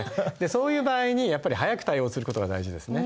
そういう場合にやっぱり早く対応することが大事ですね。